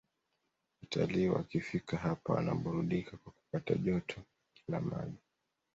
Watalii wakifika hapa wanaburudika kwa kupata joto la maji